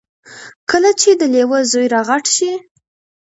کله چې د لیوه زوی را غټ شي.